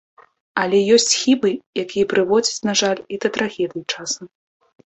Але ёсць хібы, якія прыводзяць, на жаль, і да трагедый часам.